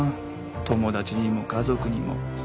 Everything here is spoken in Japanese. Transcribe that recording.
友達にも家族にも。